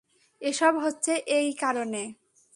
এসব হচ্ছে এই কারণে।